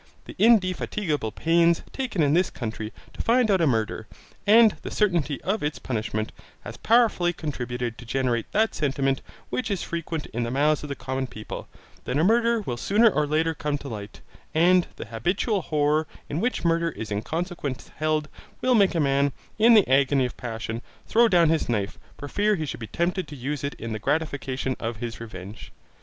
The indefatigable pains taken in this country to find out a murder, and the certainty of its punishment, has powerfully contributed to generate that sentiment which is frequent in the mouths of the common people, that a murder will sooner or later come to light; and the habitual horror in which murder is in consequence held will make a man, in the agony of passion, throw down his knife for fear he should be tempted to use it in the gratification of his revenge.